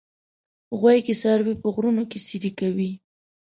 غویی کې څاروي په غرونو کې څرې کوي.